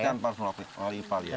tanpa harus melalui ipal iya